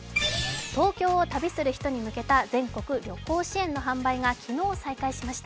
東京を旅する人を対象にした全国旅行支援の販売が昨日、再開しました。